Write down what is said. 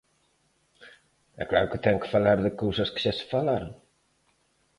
E claro que ten que falar de cousas que xa se falaron.